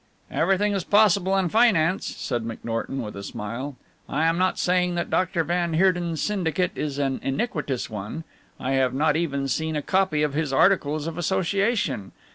"Everything is possible in finance," said McNorton with a smile. "I am not saying that Doctor van Heerden's syndicate is an iniquitous one, I have not even seen a copy of his articles of association.